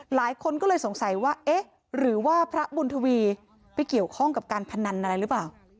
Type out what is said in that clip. หลายคนก็เลยสงสัยว่าเอ๊ะหรือว่าพระบุญทวีไปเกี่ยวข้องกับการพนันอะไรหรือเปล่า